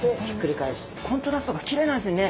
コントラストがきれいなんですよね。